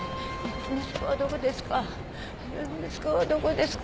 息子はどこですか？